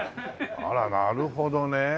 あらなるほどね。